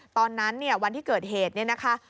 ตอนนั้นเนี่ยวันที่เกิดเหตุเนี่ยนะคะ